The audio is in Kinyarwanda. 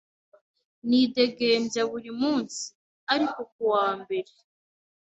Nidegembya burimunsi ariko kuwa mbere.